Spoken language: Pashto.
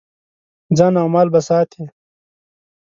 ځان او مال به ساتې.